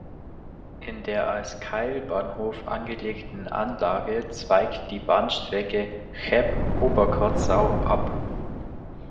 In der als Keilbahnhof angelegten Anlage zweigt die Bahnstrecke Cheb–Oberkotzau ab.